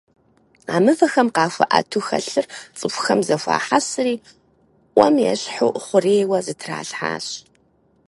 А мывэхэм къахуэӀэту хэлъыр цӀыхухэм зэхуахьэсри, Ӏуэм ещхьу хъурейуэ зэтралъхьащ.